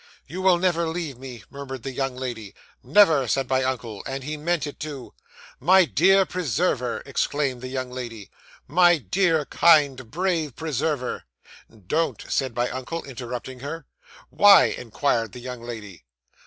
'"You will never leave me," murmured the young lady. '"Never," said my uncle. And he meant it too. '"My dear preserver!" exclaimed the young lady. "My dear, kind, brave preserver!" '"Don't," said my uncle, interrupting her. '"'Why?" inquired the young lady.